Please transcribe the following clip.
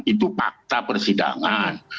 itu fakta persidangan